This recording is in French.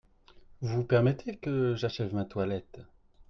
Vous permettez que j’achève ma toilette ?